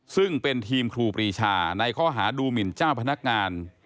ซึ่งเป็นทีมครูปรีชาในข้อหาดูหมินเจ้าพนักงาน